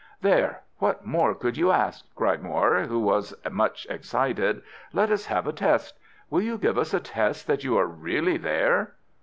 "There, what more could you ask?" cried Moir, who was much excited. "Let us have a test. Will you give us a test that you are really there?"